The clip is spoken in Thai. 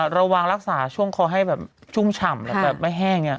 เราวางรักษาช่วงคอให้ชุ่มฉ่ำและไม่แห้ง